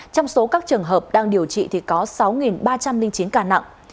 trong số các trường hợp đang điều trị thì có sáu ba trăm linh chín ca nặng